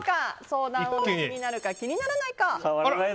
相談女気になるか気にならないか。